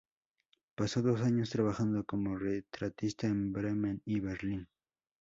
Pasó dos años trabajando como retratista en Bremen y Berlín.